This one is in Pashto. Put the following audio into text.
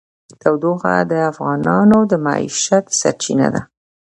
تودوخه د افغانانو د معیشت سرچینه ده.